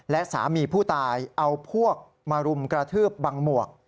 และสามีผู้ตายเอาพวกมารุมกระทืบบังหมวก